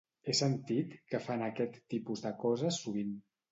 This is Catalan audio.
He sentit que fan aquest tipus de coses sovint.